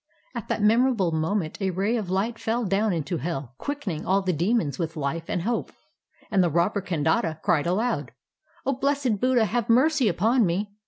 At that memorable moment a ray of light fell down into hell quickening all the demons with life and hope, and the robber Kandata cried aloud : '0 blessed Buddha, have mercy upon me!